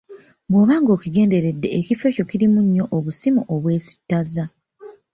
Bw'oba ng'okigenderedde ekifo ekyo kirimu nnyo obusimu obwesittaza.